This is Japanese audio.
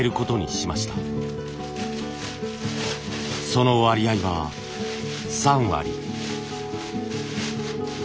その割合は３割。